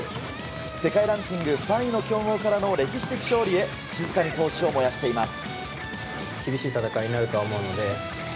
世界ランキング３位の強豪からの歴史的勝利へ静かに闘志を燃やしています。